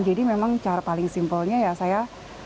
jadi memang cara paling simpelnya ya saya